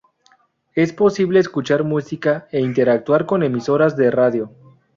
Es posible escuchar música e interactuar con emisoras de radio.